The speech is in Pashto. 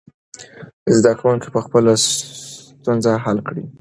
زده کوونکي به خپلې ستونزې حل کړي.